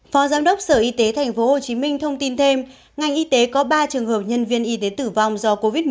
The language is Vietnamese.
phó giám đốc sở y tế tp hcm thông tin thêm ngành y tế có ba trường hợp nhân viên y tế tử vong do covid một mươi chín